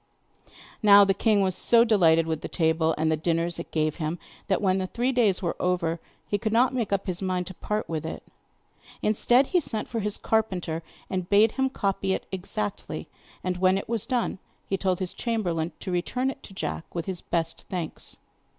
Now the king was so delighted with the table, and the dinners it gave him, that when the three days were over he could not make up his mind to part with it. Instead, he sent for his carpenter, and bade him copy it exactly, and when it was done he told his chamberlain to return it to Jack with his best thanks.